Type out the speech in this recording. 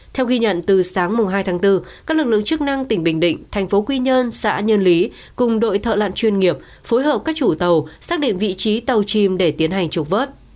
theo ghi nhận từ sáng hai tháng bốn các lực lượng chức năng tỉnh bình định thành phố quy nhơn xã nhơn lý cùng đội thợ lặn chuyên nghiệp phối hợp các chủ tàu xác định vị trí tàu chìm để tiến hành trục vớt